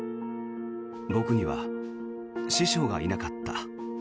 僕には師匠がいなかった。